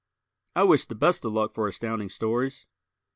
I wish the best of luck for Astounding Stories.